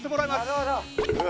なるほど。